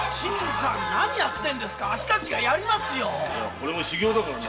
これも修業だからな。